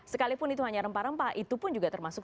sekalipun itu hanya rempah rempah itu pun juga termasuk